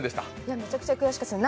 めちゃくちゃ悔しかったです。